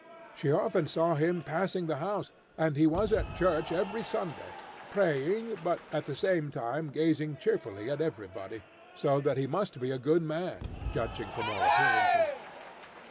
She often saw him passing the house, and he was at church every Sunday, praying, but at the same time gazing cheerfully at everybody; so that he must be a good man, judging from all appearances.